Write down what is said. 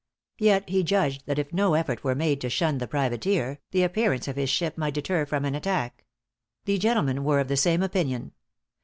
Yet he judged that if no effort were made to shun the privateer, the appearance of his ship might deter from an attack. The gentlemen were of the same opinion.